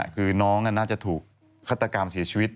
คือน้องน่าจะถูกฆาตกรรมเสียชีวิต